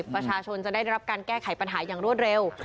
ประชาชนจะได้รับการแก้ไขปัญหาอย่างรวดเร็ว